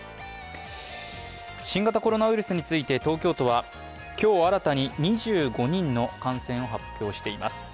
新型コロナウイルスについて東京都は今日新たに２５人の感染を発表しています。